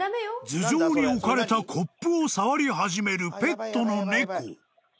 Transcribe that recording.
［頭上に置かれたコップを触り始めるペットの猫］